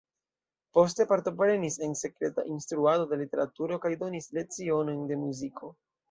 Poste partoprenis en sekreta instruado de literaturo kaj donis lecionojn de muziko.